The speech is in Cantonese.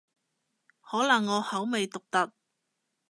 可能我口味獨特